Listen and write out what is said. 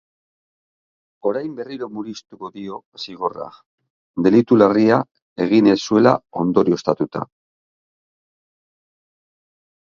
Orain berriro murriztu dio zigorra, delitu larria egin ez zuela ondorioztatuta.